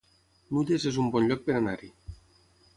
Nulles es un bon lloc per anar-hi